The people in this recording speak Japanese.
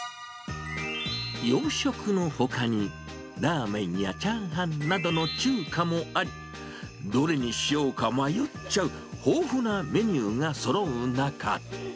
洋食のほかに、ラーメンやチャーハンなどの中華もあり、どれにしようか迷っちゃう豊富なメニューがそろう中。